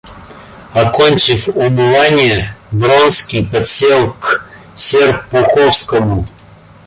Окончив умывание, Вронский подсел к Серпуховскому.